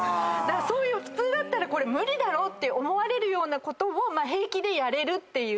そういう普通だったら無理だと思われるようなことを平気でやれるっていう。